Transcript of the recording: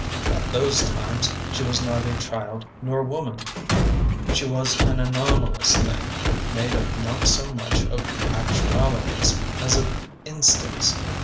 At those times she was neither child nor woman; she was an anomalous thing made up not so much of actualities as of instincts.